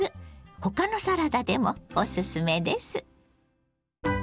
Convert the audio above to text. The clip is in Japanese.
他のサラダでもおすすめです。